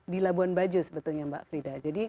di labuan bajo sebetulnya mbak frida jadi